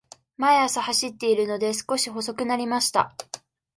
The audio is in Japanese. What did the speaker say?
毎朝走っているので、少し細くなりました。